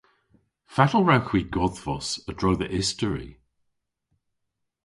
Fatel wrewgh hwi godhvos a-dro dhe istori?